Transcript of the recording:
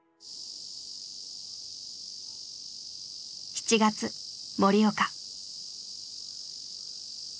７月盛岡。